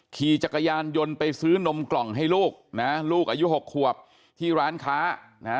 ขี่จักรยานยนต์ไปซื้อนมกล่องให้ลูกนะลูกอายุหกขวบที่ร้านค้านะฮะ